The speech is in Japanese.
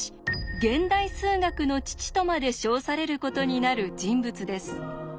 現代数学の父とまで称されることになる人物です。